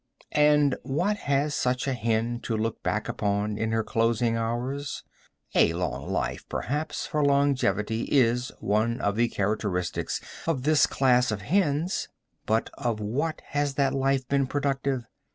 And what has such a hen to look back upon in her closing hours? A long life, perhaps, for longevity is one of the characteristics of this class of hens; but of what has that life been productive?